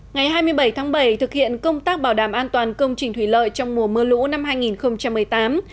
ngày hai mươi bảy tháng bảy thực hiện công tác bảo đảm an toàn công trình thủy lợi trong mùa mưa lũ năm hai nghìn một mươi tám